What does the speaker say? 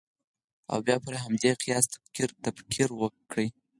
او بیا پر همدې قیاس تا تکفیر کړي.